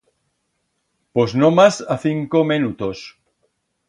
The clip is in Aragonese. Pos nomás a cinco menutos.